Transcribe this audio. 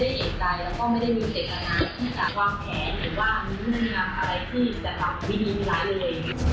ต่อจ่างทีเดินไปก็มีตลฯเหตุผลตรวจดู